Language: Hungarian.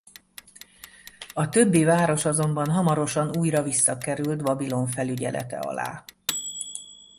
A többi város azonban hamarosan újra visszakerült Babilon felügyelete alá.